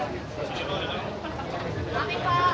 sebenarnya itu sebutan akan jaya